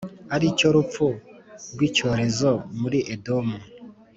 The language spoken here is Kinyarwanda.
ari cyo rupfu rw’icyorezo muri Edomu.